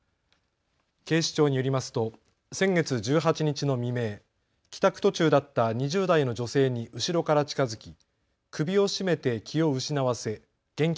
警視庁によりますと先月１８日の未明、帰宅途中だった２０代の女性に後ろから近づき、首を絞めて気を失わせ現金